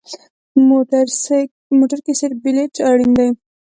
موټر کې سیټ بیلټ اړین دی.